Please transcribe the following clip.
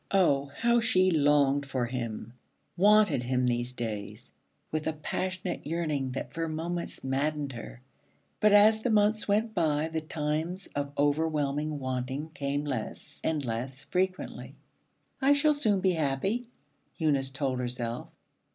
Oh, how she longed for him, wanted him these days with a passionate yearning that for moments maddened her. But as the months went by the times of overwhelming wanting came less and less frequently. 'I shall soon be happy,' Eunice told herself.